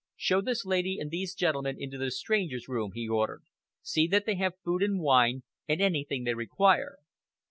"Show this lady and these gentlemen into the strangers' room," he ordered. "See that they have food and wine, and anything they require."